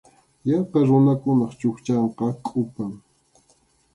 Yana runakunap chukchanqa kʼupam.